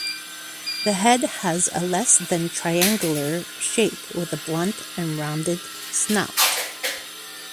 The head has a less than triangular shape with a blunt and rounded snout.